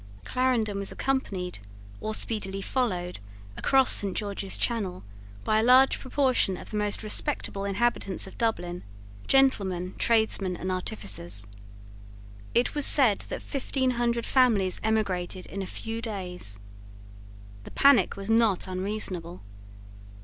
Clarendon was accompanied, or speedily followed, across St. George's Channel, by a large proportion of the most respectable inhabitants of Dublin, gentlemen, tradesmen, and artificers. It was said that fifteen hundred families emigrated in a few days. The panic was not unreasonable.